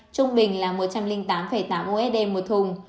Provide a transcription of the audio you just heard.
trung bình là một trăm linh tám tám usd một thùng